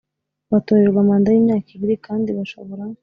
Batorerwa manda y imyaka ibiri kandi bashobora